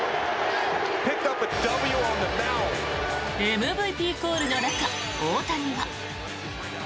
ＭＶＰコールの中大谷は。